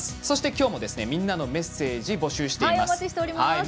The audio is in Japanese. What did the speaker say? そして、きょうも「みんなのメッセージ」募集しております。